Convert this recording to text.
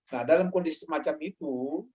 nah dalam kondisi semacam itu